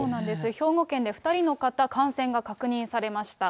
兵庫県で２人の方、感染が確認されました。